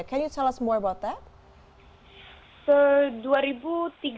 bolehkah anda memberitahu lebih lanjut tentang itu